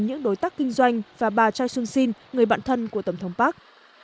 những đối tác kinh doanh và bà choi soon sin người bạn thân của tổng thống park